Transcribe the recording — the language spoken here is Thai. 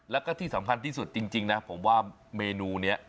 แล้วก็ที่สำคัญที่สุดจริงนะผมว่าเมนูนี้